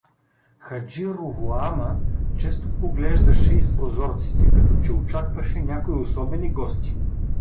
Хаджи Ровоама често поглеждаше из прозорците, като че очакваше някои особени гости.